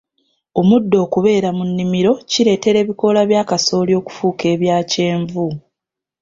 Omuddo okubeera mu nnimiro kireetera ebikoola bya kasooli okufuuka ebya kyenvu.